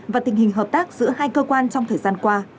và tình hình hợp tác giữa hai cơ quan trong thời gian qua